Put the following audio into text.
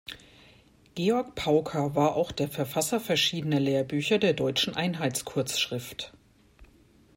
Georg Paucker war auch der Verfasser verschiedener Lehrbücher der Deutschen Einheitskurzschrift.